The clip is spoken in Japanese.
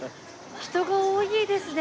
人が多いですね